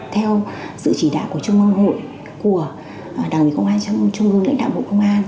theo sự chỉ đạo của trung ương hội công an